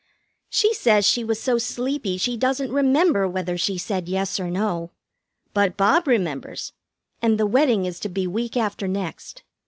"She says she was so sleepy she doesn't remember whether she said yes or no. But Bob remembers, and the wedding is to be week after next.